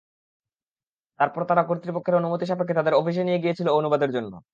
তারপর তারা কর্তৃপক্ষের অনুমতি সাপেক্ষে তাদের অফিসে নিয়ে গিয়েছিল অনুবাদের জন্য।